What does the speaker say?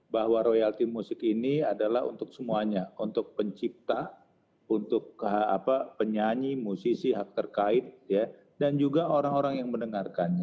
bahwa royalti musik ini adalah untuk semuanya untuk pencipta untuk penyanyi musisi hak terkait dan juga orang orang yang mendengarkannya